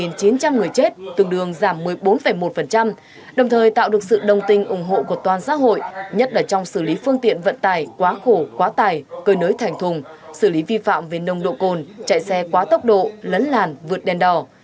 người chết tương đương giảm một mươi bốn một đồng thời tạo được sự đồng tinh ủng hộ của toàn xã hội nhất là trong xử lý phương tiện vận tải quá khổ quá tải cơ nới thành thùng xử lý vi phạm về nông độ cồn chạy xe quá tốc độ lấn làn vượt đèn đỏ